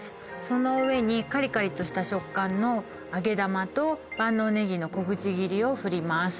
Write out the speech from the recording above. その上にカリカリとした食感の揚げ玉と万能ネギの小口切りをふります